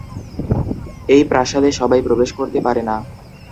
এই প্রাসাদে সবাই প্রবেশ করতে পারে না।